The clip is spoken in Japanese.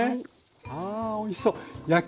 あおいしそう。